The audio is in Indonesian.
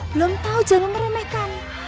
belum tahu jangan meremehkan